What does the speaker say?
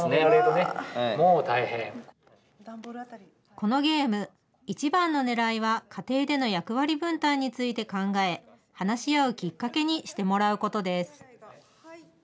このゲーム、一番のねらいは家庭での役割分担について考え、話し合うきっかけにしてもらうことです。